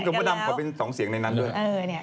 ผมจำเป็นว่าดำเขาเป็น๒เสียงในนั้นด้วย